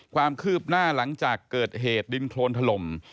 ความคืบหน้าหลังจากเกิดเหตุดินโครนถล่ม